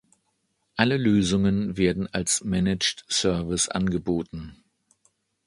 Alle Lösungen werden als Managed Service angeboten.